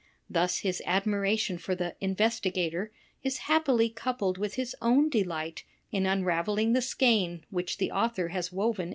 Thus his admira tion for the "investigator" is happily coupled with his own ^^j.^ *'''' delight in unraveling th e skein whic kjhe.a uthor has woven